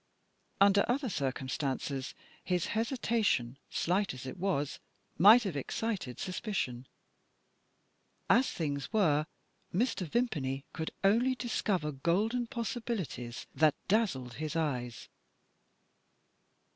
Under other circumstances his hesitation, slight as it was, might have excited suspicion. As things were, Mr. Vimpany could only discover golden possibilities that dazzled his eyes.